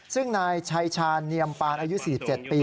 ซึ่งนายชัยชาเนียมปานอายุ๔๗ปี